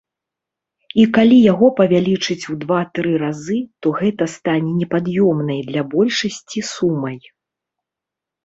І калі яго павялічыць ў два-тры разы, то гэта стане непад'ёмнай для большасці сумай.